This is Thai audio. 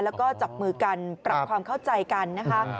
แล้วก็จับมือกันปรับความเข้าใจกันนะคะ